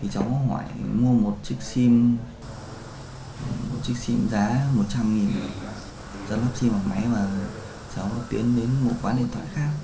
cháu mua một chiếc sim một chiếc sim giá một trăm linh nghìn giá lắp sim bằng máy và cháu tiến đến một quán điện thoại khác